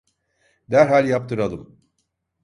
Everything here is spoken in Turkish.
Derhal yaptıralım…